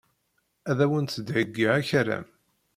Ad awent-d-heyyiɣ akaram.